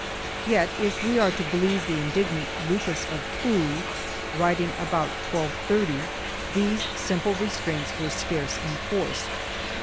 4 Yet, if we are to believe the indignant Lucas of Tuy, ^writing about 1230, these simple restraints were scarce enforced.